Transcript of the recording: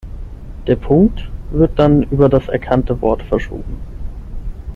Der Punkt wird dann über das erkannte Wort verschoben.